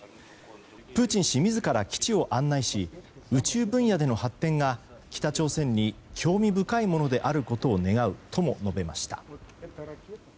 プーチン氏自ら基地を案内し宇宙分野での発展が北朝鮮に興味深いものであることを願うとも述べました。